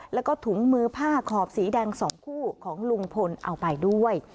แล้วก็ถุงมือผ้าขอบสีแดง๒คู่ของลุงพลเอาไปด้วย